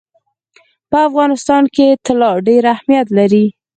په افغانستان کې طلا ډېر اهمیت لري.